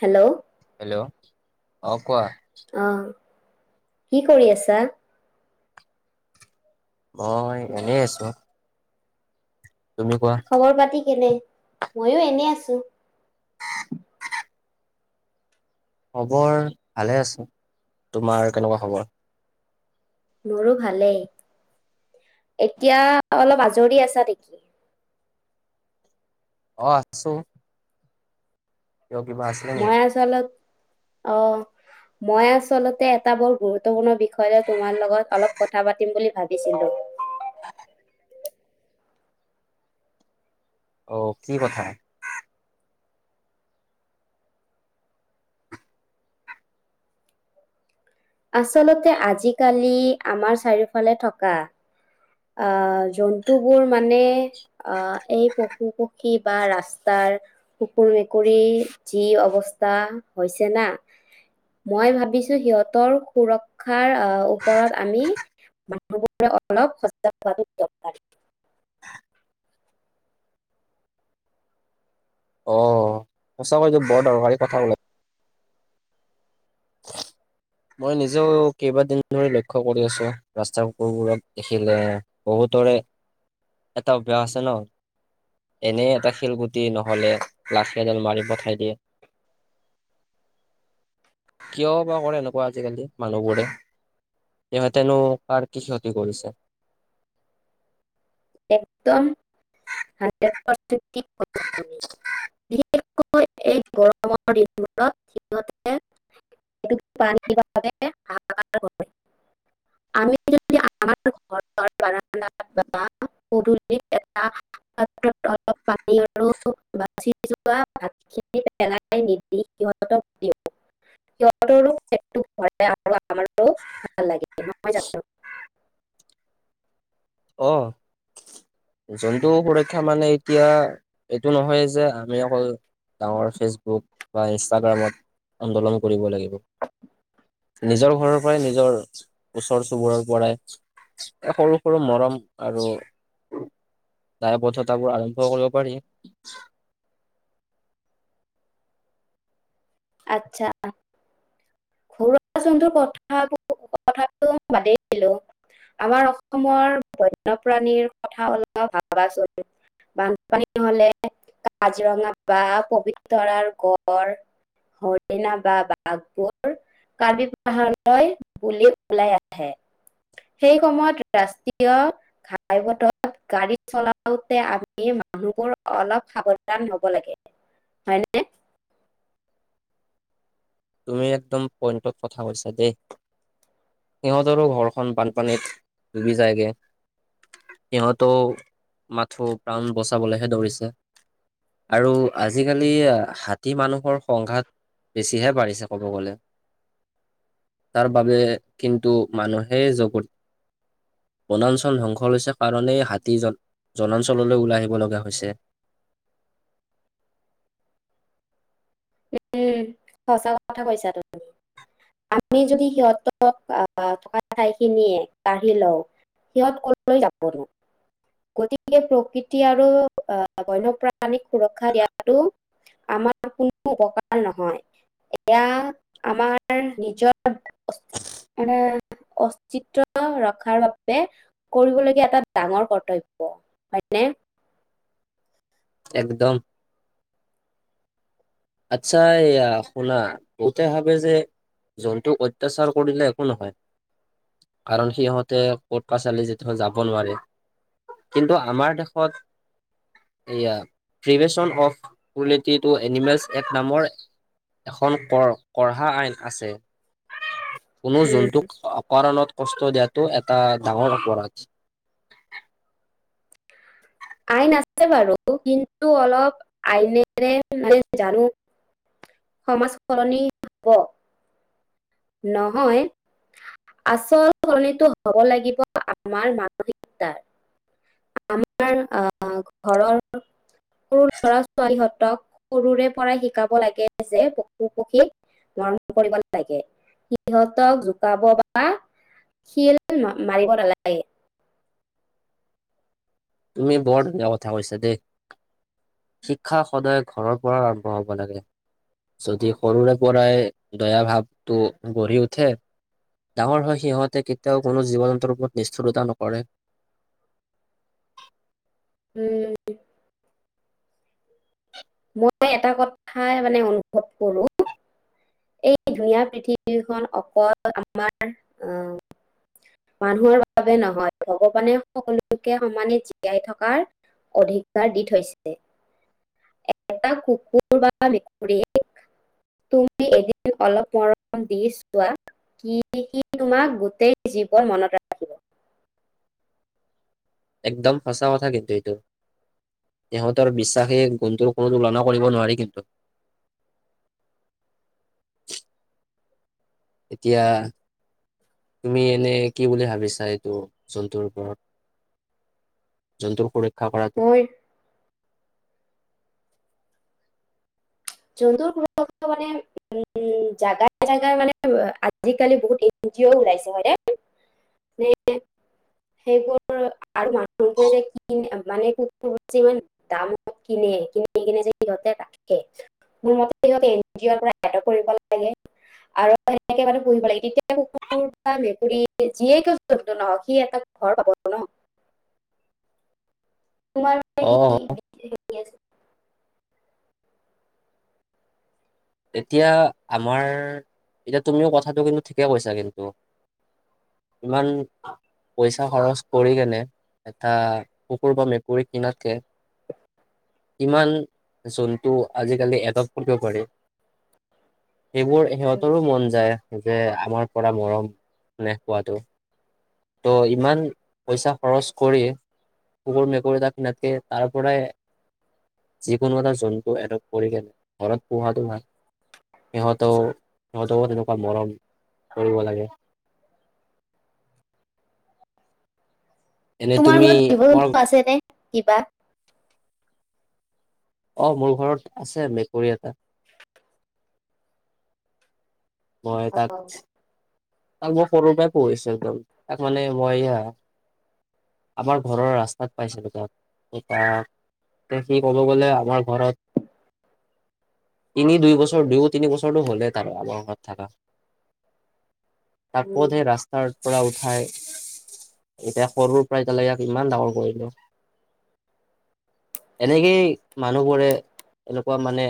Hello. Hello, অ' কোৱা। অ' কি কৰি আছা? মই এনেই আছোঁ। তুমি কোৱা? খবৰ পাতি কেনে? ময়ো এনেই আছোঁ। খবৰ ভালে আছে, তোমাৰ কেনেকুৱা খবৰ? মোৰো ভালেই, এতিয়া অলপ আজৰি আছা নেকি? অ' আছোঁ। কিয় কিবা আছিলে নেকি? [unintelligible] অ'। মই আচলতে এটা বৰ গুৰুত্বপূৰ্ণ বিষয়ত তোমাৰ লগত অলপ কথা পাতিম বুলি ভাবিছিলোঁ। [inaudible] অ' কি কথা? আচলতে আজি কালি আমাৰ চাৰিওফালে থকা আহ, জন্তুবোৰ মানে আহ, এই পশু পক্ষী বা ৰাস্তাৰ কুকুৰ মেকুৰী যি অৱস্থা হৈছে না মই ভাবিছোঁ সিহঁতৰ সুৰক্ষাৰ আহ, ওপৰত আমি মানুহবোৰে অলপ সজাগ হোৱাটো দৰকাৰ। অ' সঁচাকৈ এইটো বৰ দৰকাৰী কথা ক'লা। মই নিজেও কেইবাদিন ধৰি লৈক্ষ্য কৰি আছোঁ, ৰাস্তাৰ কুকুৰক দেখিলে বহুতৰে এটা অভ্যাস আছে ন'। এনেই এটা শিলগুটি, নহ'লে লাঠি এডাল মাৰি পঠাই দিয়ে। [inaudible] কিয় বা কৰে এনে কোৱা আজিকালি মানুহবোৰে, সিহঁতেনো কাৰ কি ক্ষতি কৰিছে? একদম হান্দ্ৰেড পাৰ্চেন্ত ঠিক কথাটো। বিশেষকৈ এই গৰমৰ দিনবোৰত সিহতে [unintelligible] আমি যদি [unintelligible] [unintelligible] এটা পাত্ৰত অলপ পানী আৰু বাচি যোৱা [unintelligible] পেলাই নিদি সিহঁতক দিওঁ [unintelligible] সিহঁতৰো পেটটো ভৰে [unintelligible] ভাল লাগে নহয় জানো। অ'। [inaudible] জন্তু সুৰক্ষা মানে, এতিয়া, এইটো নহয় যে আমি অকল ডাঙৰ ফেচবুক বা ইনষ্টাগ্ৰামত আন্দোলন কৰিব লাগিব। নিজৰ ঘৰৰ পৰাই নিজৰ, ওচৰ চুবুৰৰ পৰাই সৰু সৰু মৰম আৰু, দায়বদ্ধতাবোৰ আৰম্ভ কৰিব পাৰি। [inaudible] আচ্ছা। ঘৰুৱা জন্তুৰ কথাবোৰ, কথাটো বাদেই দিলো। আমাৰ অসমৰ, বন্যপ্ৰাণীৰ কথা অলপ ভাবাচোন। বানপানী হ'লে, কাজৰঙা বা পবিতাৰৰ গড়। হৰিণা বা বাঘবোৰ কাৰ্বি পাহাৰলৈ বুলি ওলাই আহে, সেই সময়ত ৰাষ্ট কিয় ঘাই পথত গাড়ী চলাওতে, আমি মানুহবোৰ অলপ সাৱধান হ'ব লাগে। হয়নে? তুমি একদম পইণ্টত কথা কৈছা দেই। সিহঁতৰো ঘৰখন বানপানীত ডুবি যায়গে। সিহঁতো মাথো, প্ৰাণ বচাবলেহে দৌৰিছে। আৰু আজিকালি, হাতী-মানুহৰ সংঘাত বেছিহে বাঢ়িছে। চে ক'ব গ'লে। তাৰ বাবে, কিন্তু মানুহে জগৰি বনাঞ্চল ধ্বংস হৈছে কাৰণে, হাতী জ জনাঞ্চললৈ ওলাই আহিব লগা হৈছে। উম, সঁচা কথা কৈছা তুমি। আমি যদি সিহঁতৰ, আহ থকা ঠাইখিনিয়ে কাঢ়ি লওঁ সিহঁত ক'লৈ যাবনো। গতিকে প্ৰকৃতি আৰু, আহ বন্যপ্ৰাণীক সুৰক্ষা দিয়াটো আমাৰ [unintelligible] উপকাৰ নহয়, এয়া আমাৰ নিজৰ মানে, অস্তিত্ব ৰখাৰ বাবে কৰিবলগীয়া এটা ডাঙৰ কৰ্তব্য, হয়নে। একদম। আচ্ছা এইয়া শুনা বহুতে ভাবে যে জন্তুক অত্যাচাৰ কৰিলে একো নহয়। কাৰণ সিহঁতে ক'ত পাছালি যেতিয়া যাব নোৱাৰে কিন্তু আমাৰ দেশত এয়া prevention of cruelty to animals এক নামৰ এখন ক পঢ়া আইন আছে। কোনো উম জন্তুক অপণত কষ্ট দিয়াটো এটা ডাঙৰ অপৰাধ আইন আছে বাৰু কিন্তু অলপ আইনেৰে মানে জানো সমাজ সলনি হ'ব। নহয় আচল সলনিটো হব লাগিব আমাৰ মানসিকতাৰ আমাৰ আ ঘৰৰ সৰু ল'ৰা ছোৱালীহঁতক সৰুৰে পৰাই শিকাব লাগে যে পশু পক্ষীক মৰম কৰিব লাগে। সিহঁতক জোকাব বা শিল মাৰিব নালাগে তুমি বৰ ধুনীয়া কথা কৈছা দেই। শিক্ষা সদায় ঘৰৰ পৰা আৰম্ভ হব লাগে। যদি সৰুৰে পৰাই দয়া ভাৱটো গঢ়ি উঠে ডাঙৰ হয় সিহঁতে কেতিয়াও কোনো জীৱ জন্তুৰ ওপৰত নিষ্ঠুৰতা নকৰে উম মই এটা কথাই মানে অনুভৱ কৰো এই ধুনীয়া পৃথিৱীখন অকল আমাৰ অ মানুহৰ বাবে নহয় ভগৱানে সকলোকে সমানে জীয়াই থকাৰ অধিকাৰ দি থৈছে, এটা কুকুৰ বা মেকুৰী তুমি এদিন অলপ মৰম দি চোৱা কি সি তোমাক গোটেই জীৱন মনত ৰাখিব। একদম সঁচা কথা কিন্তু এইটো। সিহঁতৰ বিশ্বাসেই গুনটোৰ কোনো তুলনা কৰিব নোৱাৰি কিন্তু। এতিয়া তুমি এনে কি বুলি ভাবিছা এইটো জন্তুৰ ওপৰত? জন্তুৰ সুৰক্ষা ৰাখিব কৰাটো মোৰ জন্তুৰ সুৰক্ষা মানে উম জাগাই জাগাই মানে আজিকালি বহুত এন জি অ' ওলাইছে হয় নে? মানে সেইবোৰ আৰু মানুহবোৰে যে কি মানে কুকুৰক যিমান দাম হওক কিনে কিনি কিনে যে সিহঁতে ৰাখে মোৰ মতে সিহঁতে এন জি অৰ পৰা এডপ্ট কৰিব লাগে। আৰু সেনেকে মানে পুহিব লাগে তেতিয়া আৰু কুকুৰ কুকুৰ বা মেকুৰী যিয়ে কি জন্তু নহওক সি এটা ঘৰ পাব ন। তোমাৰ অ কি কি হেৰি আছে, এতিয়া আমাৰ এতিয়া তুমিও কথাটো কিন্তু ঠিকে কৈছা কিন্তু ইমান পইচা খৰচ কৰি কেনে এটা কুকুৰ বা মেকুৰীক কিনাতকে কিমান জন্তু আজিকালি এডপ্ট কৰিব পাৰে সেইবোৰ উম, সিহঁতৰো মন যায় যে আমাৰ পৰা মৰম চেনেহ পোৱাটো ত ইমান পইচা খৰচ কৰি কুকুৰ মেকুৰী এটা কিনাতকে তাৰ পৰাই, যিকোনো এটা জন্তু এডপ্ট কৰি কেনে ঘৰত পোহাটো ভাল। সিহঁতও সিহঁতকো তেনেকুৱা মৰম কৰিব লাগে। এনে তোমাৰ তুমি ঘৰত জীৱ তোমাৰ জন্তু আছে নে কিবা। অ মোৰ ঘৰত আছে মেকুৰী এটা। মই তাক তাক মই সৰুৰ পৰা পুহিছো একদম তাক মানে মই এয়া, আমাৰ ঘৰৰ ৰাস্তাত পাইছিলো তা পৰা। এ সি ক'ব গ'লে আমাৰ ঘৰত। তিনি দুই বছৰ দুয়ো তিনি বছৰটো হলে তাৰ আমাৰ ঘৰত থাকা। তাক উম, কতহে ৰাস্তাৰ পৰা উঠাই। এতিয়া সৰুৰ পৰা এতিয়ালৈকে ইমান ডাঙৰ কৰিলো। এনেকেই মানুহবোৰে এনেকুৱা মানে।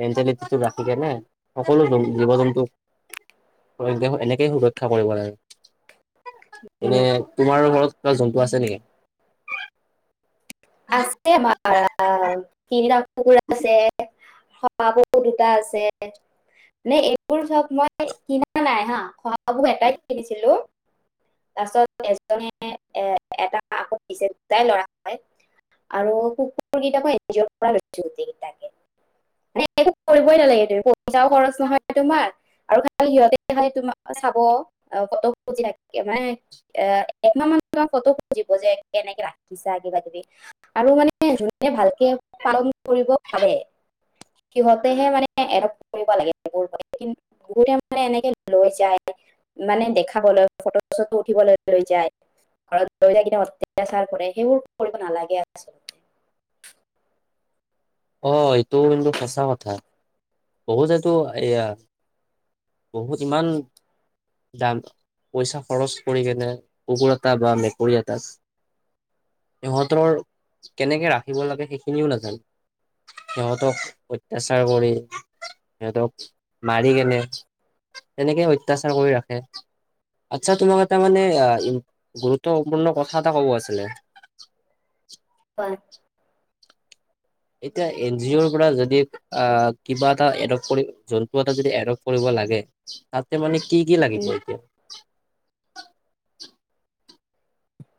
মেণ্টেলিটিটো ৰাখি কেনে সকলো জীৱ জন্তু প্ৰতি এনেকেই সুৰক্ষা কৰিব লাগে উম। এনে তোমাৰ ঘৰত কিবা জন্তু আছে নেকি। আছে আমাৰ আ তিনিটা কুকুৰ আছে স শহা পহু দুটা আছে। নে এইবোৰ চব মই কিনা নাই হা শহাপহু এটাই কিনিছিলো। পাৰপিছত এজনে এ এটা আকৌ দিছে তাই ল'ৰা, হয়। আৰু কুকুৰ কেইটা মই এন জি অৰ পৰা লৈছো গোটেইকেইটাকে মানে, একো কৰিবই নালাগে তে পইচাও খৰচ নহয়। তোমাৰ আৰু খালি সিহঁতে খালি তোমাৰ চাব ক ফটো থে মানে, এ একমাহ মান তোমাৰ ফটো খুজিব যে কেনেকে ৰাখিছা কিবা কিবি। আৰু মানে যোনে ভালকে পালন কৰিব পাৰে। সিহঁতেহে মানে এডপ্ট কৰিব লাগে কুকুৰ মানে কিন্ত, ঘুৰে মান এনেকে লৈ যায়। মানে দেখাবলৈ ফটো চটো উঠিবলৈ লৈ যায়। ঘৰত লৈ যাই কিনে অত্যাচাৰ কৰে সেইবোৰ কৰিব নালাগে আচলতে। অ এইটোও কিন্তু সঁচা কথা। বহুতেতো এয়া বহুত ইমান। দাম পইচা খৰচ কৰি কেনে কুকুৰ এটা বা মেকুৰী এটাত। সিহঁতৰ কেনেকে ৰাখিব লাগে সেইখিনিও নাজানে। সিহঁতক অত্যাচাৰ কৰি। সিহঁতক মাৰি কেনে তেনেকেই অত্যাচাৰ কৰি ৰাখে। আচ্ছা তোমাক এটা মানে গুৰুত্বপূৰ্ণ কথা এটা কব আছিলে। কোৱা। এতিয়া এন জি অ'ৰ পৰা যদি। আহ কিবা এটা এডপ্ট জন্তু এটা যদি এডপ্ট কৰিব লাগে। তাতে মানে কি কি উম, লাগিব এতিয়া।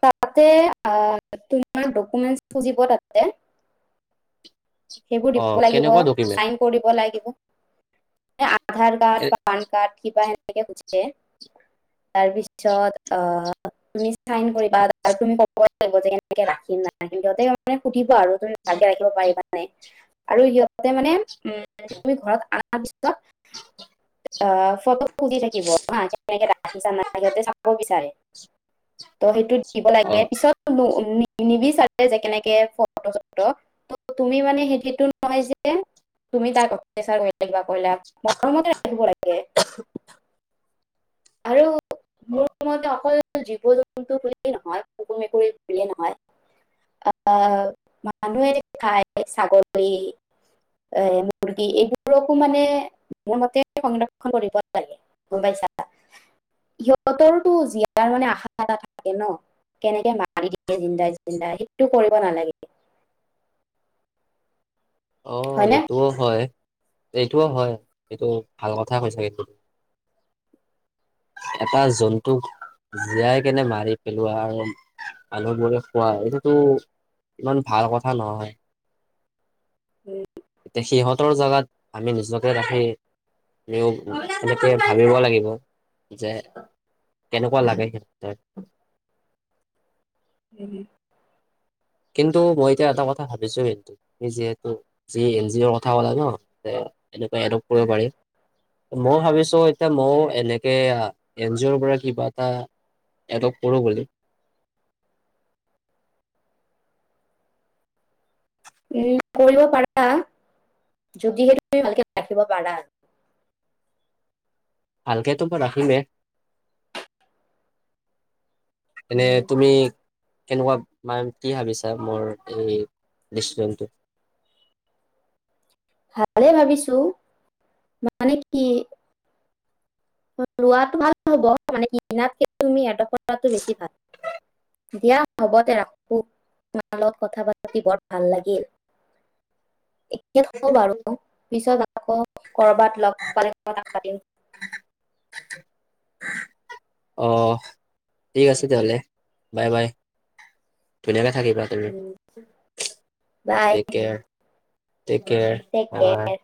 তাতে তোমাৰ ডকুমেন্ট খোজিব তাতে, সেইবোৰ অ দিব লাগিব কেনেকুৱা ডকুমেন্ট চাইন। কৰিব লাগিব আধাৰ কাৰ্ড পান কাৰ্ড কিবা এ, [unintelligible] তাৰপিছত অহ, তুমি চাইন কৰিবা আৰু তুমি ক'ব লাগিব যে এনেকে ৰাখিম নাই কিন্তু সিহঁতে, মানে সুধিব আৰু তুমি ভাগে ৰাখিব পাৰিবা নে, আৰু সিহতে মানে উম তুমি ঘৰত আনা পিছত, অ [unintelligible] বুজি থাকিবা কেনেকে ৰাখিছা ন সিহঁতে চাব বিচাৰে ত সেইটোত দিব অ লাগে পিছত নিবিচাৰে যে কেনেকে ফটো চটো ত' তুমি মানে সেইটোতটো নহয় যে তুমি তাক [unintelligible] কলা মৰমতে ৰাখিব লাগে আৰু অ মোৰ মতে অকল জীৱ জন্তু বুলিয়েই নহয় কুকুৰ মেকুৰী বুলিয়েই নহয় আহ মানুহে খাই ছাগলী এ মুৰ্গী এইবোৰকো মানে মোৰ মতে সংৰক্ষন কৰিব লাগে গম পাইছা সিহঁতৰটো জীয়াৰ মানে আশা এটা থাকে ন কেনেকে মাৰি দিয়ে জিন্দাই জিন্দাই সেইটো কৰিব নালাগে অ হয় নে এইটোও হয় এইটোও হয় এইটো ভাল কথাই কৈছা [unintelligible] [unintelligible] এটা জন্তুক জীয়াই কেনে মাৰি পেলোৱা আৰু মানুহবোৰে খোৱা এইটোতো ইমান ভাল কথা নহয় উ এতিয়া সিহঁতৰ জোগাত আমি নিজকে ৰাখি আও তেনেকে ভাবিব লাগিব যে কেনেকুৱা লাগে সেই [unintelligible] কিন্তু মই এতিয়া এটা কথা ভাবিছো কিন্তু যিহেতু এন জি অৰ কথা কলে ন এনেকুৱা এপ কৰিব পাৰি মই ভাবিছো এতিয়া মইও এনে এন জি অ'ৰ পৰা কিবা এটা এডক কৰো বুলি [unintelligible] উ কৰিব পাৰা যদিহে তুমি ভালকে ৰাখিব পাৰা ভালকে তো মই ৰাখিমে এনে তুমি কেনেকুৱা মানে কি ভাবিছা মোৰ এই ডিচিশন টো ভালেই ভাবিছো মানে কি। লোৱাটো ভাল হ'ব মানে কিনাতকে তুমি এডপ কৰাটো বেছি ভাল। দিয়া হ'ব দে ৰাখো তোমাৰ লগত কথা পাতি বৰ ভাল লাগিল। ইয়াত হব বাৰু পিছত আকৌ কৰবাত লগ পালে কথা পাতিম। অ ঠিক আছে তেহ'লে বাই বাই ধুনীয়াকে থাকিবা। হেৰি bye take care take care. Take bye bye care.